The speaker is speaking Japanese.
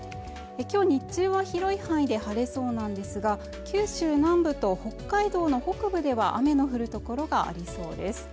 きょう日中は広い範囲で晴れそうなんですが九州南部と北海道の北部では雨の降る所がありそうです